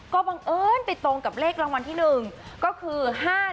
ก็บังเอิญไปตรงกับเลขรางวัลที่๑ก็คือ๕๑